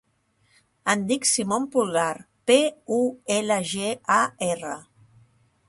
Em dic Simon Pulgar: pe, u, ela, ge, a, erra.